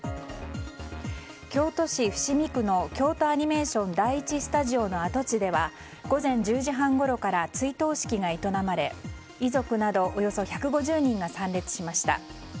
京都市伏見区の京都アニメーション第１スタジオの跡地では午前１０時半ごろから追悼式が営まれ遺族などおよそ１５０人が参列しました。